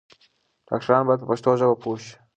ډاکټران بايد په پښتو پوه شي.